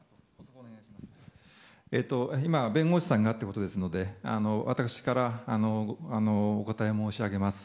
今、弁護士さんがということですので私からお答え申し上げます。